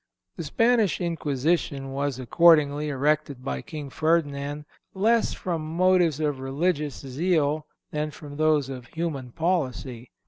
The Spanish Inquisition was accordingly erected by King Ferdinand, less from motives of religious zeal than from those of human policy.